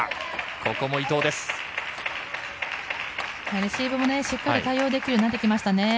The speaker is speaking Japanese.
ここもレシーブもしっかりと対応できるようになってきましたね。